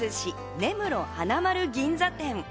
根室花まる銀座店。